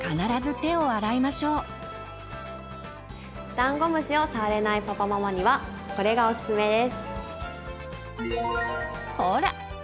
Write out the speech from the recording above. ダンゴムシを触れないパパママにはこれがおすすめです。